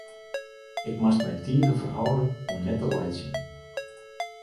Ik moast my tige ferhâlde om net te laitsjen.